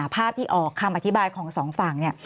ภาพที่ออกคำอธิบายของสองฝั่งเนี่ย